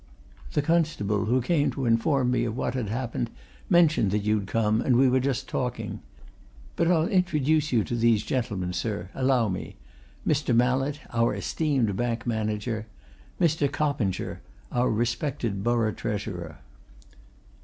The constable who came to inform me of what had happened mentioned that you'd come, and we were just talking But I'll introduce you to these gentlemen, sir; allow me Mr. Mallett, our esteemed bank manager. Mr. Coppinger, our respected borough treasurer."